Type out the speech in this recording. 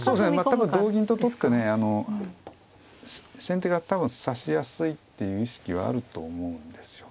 多分同銀と取ってね先手が多分指しやすいっていう意識はあると思うんですよ。